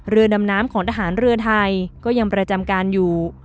เรือดำน้ำของทหารเรือไทยก็ยังประจำการอยู่